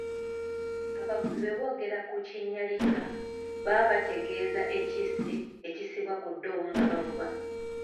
Abavubi bwe boogera ku kinyaalika baba bategeeza ekissi ekissibwa ku ddobo nga bavuba.